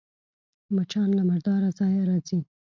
مچان له مرداره ځایه راځي